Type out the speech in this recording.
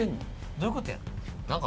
どういうことや？